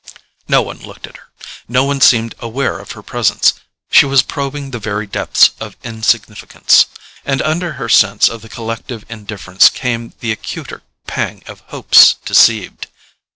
No one looked at her, no one seemed aware of her presence; she was probing the very depths of insignificance. And under her sense of the collective indifference came the acuter pang of hopes deceived.